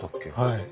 はい。